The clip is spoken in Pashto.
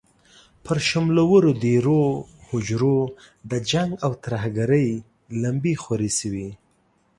پر شملورو دېرو، هوجرو د جنګ او ترهګرۍ لمبې خورې شوې.